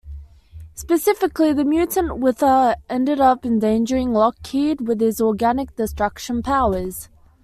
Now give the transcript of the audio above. Specifically, the mutant Wither ended up endangering Lockheed with his organic-destruction powers.